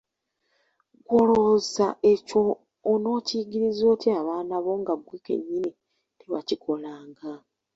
Gwe olowooza ekyo onokiyigiriza otya abaana bo nga ggwe kennyini tewakikolanga.